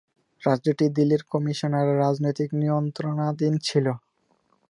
রাজ্যটি দিল্লির কমিশনারের রাজনৈতিক নিয়ন্ত্রণাধীন ছিল।